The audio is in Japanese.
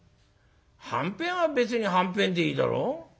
はんぺんは別にはんぺんでいいだろ。